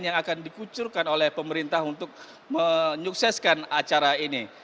yang akan dikucurkan oleh pemerintah untuk menyukseskan acara ini